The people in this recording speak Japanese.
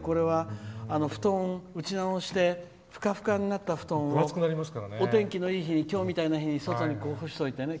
これは布団、打ち直してふかふかになった布団をお天気のいい日にきょうみたいな日に外に干しておいてね。